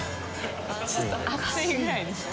ちょっと暑いぐらいですね。